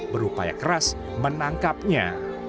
berupaya keras menangkapnya